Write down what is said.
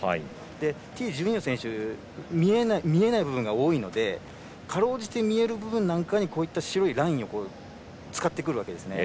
Ｔ１２の選手は見えない部分が多いのでかろうじて見える部分なんかに白いラインを使ってくるわけですね。